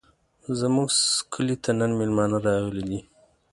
زموږ کلي ته نن مېلمانه راغلي دي.